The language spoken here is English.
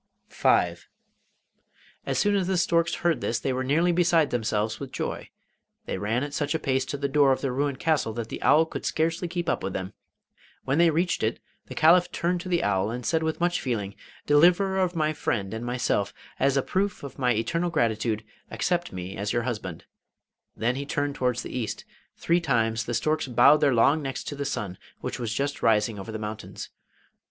V. As soon as the storks heard this they were nearly beside themselves with joy. They ran at such a pace to the door of the ruined castle that the owl could scarcely keep up with them. When they reached it the Caliph turned to the owl, and said with much feeling: 'Deliverer of my friend and myself, as a proof of my eternal gratitude, accept me as your husband.' Then he turned towards the east. Three times the storks bowed their long necks to the sun, which was just rising over the mountains.